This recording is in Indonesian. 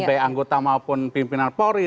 baik anggota maupun pimpinan polri